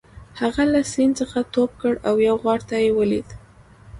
هغه له سیند څخه ټوپ کړ او یو غار یې ولید